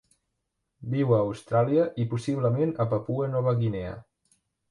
Viu a Austràlia i possiblement a Papua Nova Guinea.